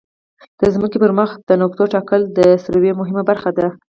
د ځمکې پر مخ د نقطو ټاکل د سروې مهمه برخه ده